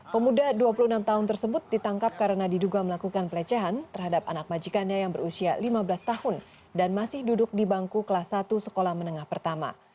pemuda dua puluh enam tahun tersebut ditangkap karena diduga melakukan pelecehan terhadap anak majikannya yang berusia lima belas tahun dan masih duduk di bangku kelas satu sekolah menengah pertama